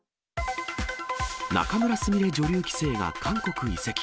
仲邑菫女流棋聖が韓国移籍。